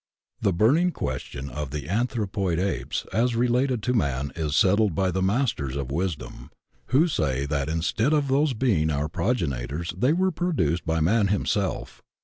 The burning question of the anthropoid apes as re lated to man is settled by the Masters of Wisdom, who say that instead of those being our progenitors they were produced by man himself.